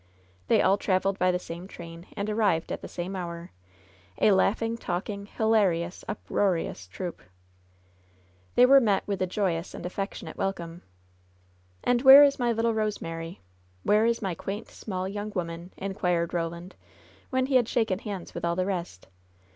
They all traveled by the same train and arrived at the same hour — a laughing, talking, hilarious, uproarious troupe. They were met with a joyous and affectionate wel come. "And where is my little Rosemary? Where is my quaint, small, young woman ?" inquired Roland, when he had shaken hands with all the rest.